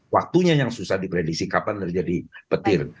waktunya yang susah diprediksi kapan terjadi petir